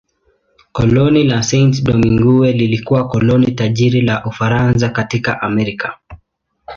Koloni la Saint-Domingue lilikuwa koloni tajiri la Ufaransa katika Amerika.